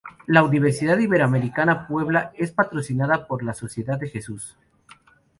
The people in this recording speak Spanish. La Universidad Iberoamericana Puebla es patrocinada por la Sociedad de Jesús.